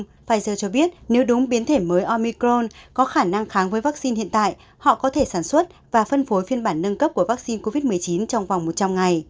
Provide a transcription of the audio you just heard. ông pfizer cho biết nếu đúng biến thể mới omicron có khả năng kháng với vaccine hiện tại họ có thể sản xuất và phân phối phiên bản nâng cấp của vaccine covid một mươi chín trong vòng một trăm linh ngày